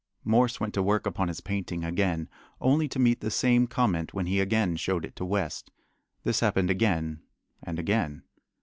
Morse went to work upon his painting again, only to meet the same comment when he again showed it to West. This happened again and again.